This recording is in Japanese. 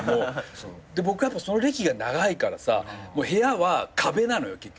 僕はやっぱその歴が長いからさ部屋は壁なのよ結局。